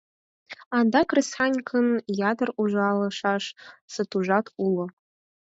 Адак кресаньыкын ятыр ужалышаш сатужат уло.